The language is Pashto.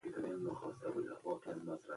رسنۍ يو لويه مرسته کوونکي دي